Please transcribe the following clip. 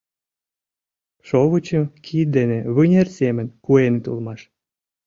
Шовычым кид дене вынер семын куэныт улмаш.